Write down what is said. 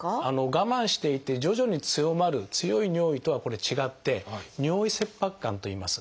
我慢していて徐々に強まる強い尿意とはこれ違って「尿意切迫感」といいます。